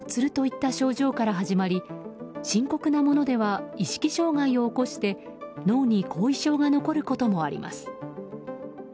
熱中症は立ちくらみや足がつるといった症状から始まり深刻なものでは意識障害を起こして脳に後遺症が残ることもあります。